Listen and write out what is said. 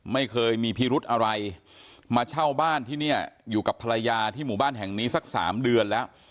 ไม่เคยมีพิรุธอะไรมาเช่าบ้านที่เนี่ยอยู่กับภรรยาที่หมู่บ้านแห่งนี้สักสามเดือนแล้ว